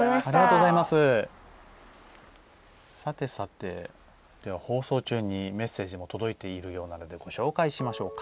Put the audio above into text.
さて、放送中にメッセージも届いているようなのでご紹介しましょうか。